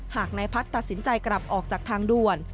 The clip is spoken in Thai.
หากนายพัฒน์ตัดสินใจกลับออกจากทางด่วน